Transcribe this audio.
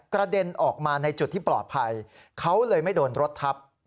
เด็นออกมาในจุดที่ปลอดภัยเขาเลยไม่โดนรถทับ